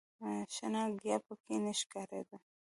شنه ګیاه په کې نه ښکارېده.